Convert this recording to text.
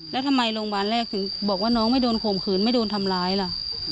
แล้วทำไมโรงพยาบาลแรกถึงบอกว่าน้องไม่โดนข่มขืนไม่โดนทำร้ายล่ะ